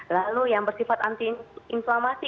lalu yang bersifat anti inflamasi